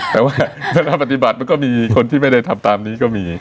แต่ว่าเวลาปฏิบัติมันก็มีคนที่ไม่ได้ทำตามนี้ก็มี